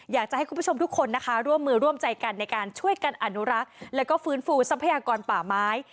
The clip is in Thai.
อยากจะให้คุณผู้ชมทุกคนนะคะร่วมมือร่วมใจกันในการช่วยกันอนุรักษ์แล้วก็ฟื้นฟูทรัพยากรป่าไม้